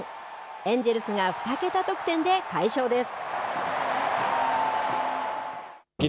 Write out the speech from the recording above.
エンジェルスが２桁得点で快勝です。